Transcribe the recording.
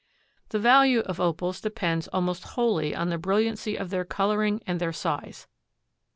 The value of Opals depends almost wholly on the brilliancy of their coloring and their size.